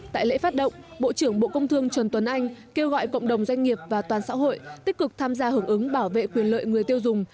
tại lễ phát động bộ trưởng bộ công thương trần tuấn anh kêu gọi cộng đồng doanh nghiệp và toàn xã hội tích cực tham gia hưởng ứng bảo vệ quyền lợi người tiêu dùng